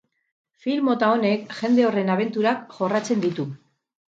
Film mota honek jende horren abenturak jorratzen ditu.